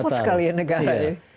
reput sekali ya negaranya